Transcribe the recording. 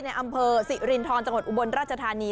อำเภอสิรินทรจังหวัดอุบลราชธานี